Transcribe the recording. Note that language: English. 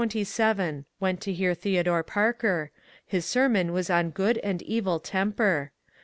Went to hear Theodore Parker. His sermon was on Good and Evil Temper.